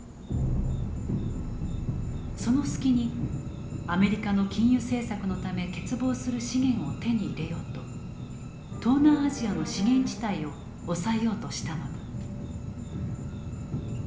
その隙にアメリカの禁輸政策のため欠乏する資源を手に入れようと東南アジアの資源地帯を押さえようとしたのだ。